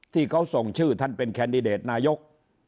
ที่เขาส่งชื่อท่านเป็นแคนดิเดตนายก